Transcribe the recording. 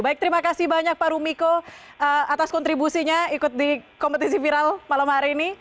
baik terima kasih banyak pak rumiko atas kontribusinya ikut di kompetisi viral malam hari ini